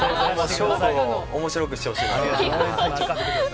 勝負を面白くしてほしいなと。